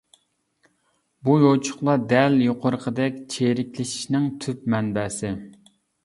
بۇ يوچۇقلار دەل يۇقىرىقىدەك چىرىكلىشىشنىڭ تۈپ مەنبەسى.